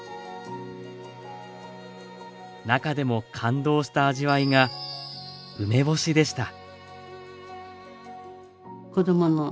中でも感動した味わいが梅干しでした。